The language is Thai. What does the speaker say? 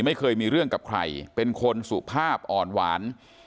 ไม่เคยมีเรื่องกับใครเป็นคนสุภาพอ่อนหวาน